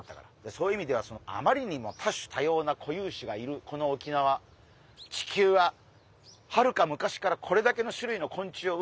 そういう意味ではあまりにも多種多様な固有種がいるこの沖縄地球ははるか昔からこれだけの種類の昆虫を生んでるんだと。